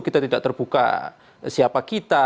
kita tidak terbuka siapa kita